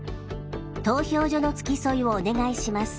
「投票所の付き添いをお願いします」